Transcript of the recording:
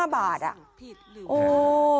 ๖๕บาทโอ้โฮ